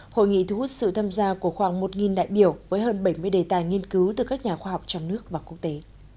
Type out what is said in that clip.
hội nghị thu hút sự tham gia của khoảng một đại biểu với hơn bảy mươi đề tài nghiên cứu từ các nhà khoa học trong nước và quốc tế